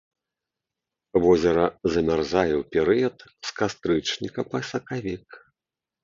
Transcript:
Возера замярзае ў перыяд з кастрычніка па сакавік.